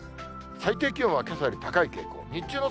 最低気温はけさより高い傾向。